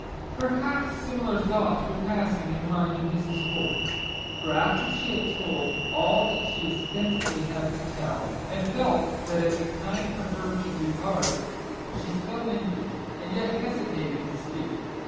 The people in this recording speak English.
Perhaps similar thoughts were passing in the mind of Mrs. Hope ; for after she had told all she ostensibly had to tell, and felt that it was time for her to depart, she still lingered, and yet hesitated to speak.